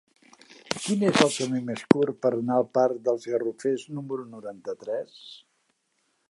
Quin és el camí més curt per anar al parc dels Garrofers número noranta-tres?